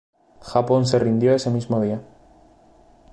Japón se rindió ese mismo día.